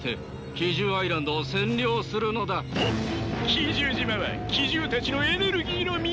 奇獣島は奇獣たちのエネルギーの源。